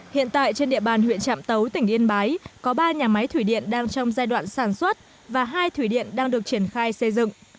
hiện tại trên địa bàn huyện trạm tấu tỉnh yên bái có ba nhà máy thủy điện đang trong giai đoạn sản xuất và hai thủy điện đang được triển khai xây dựng